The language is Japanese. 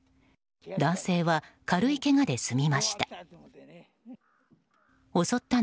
男性は、軽いけがで済みました。